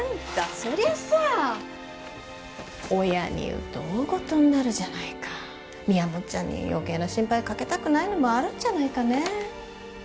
そりゃさ親に言うと大ごとになるじゃないかみやもっちゃんに余計な心配かけたくないのもあるんじゃないかね